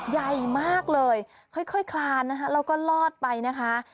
ใหญ่มากเลยค่อยคราญล่ะครับเราก็ลอดไปนะฮะ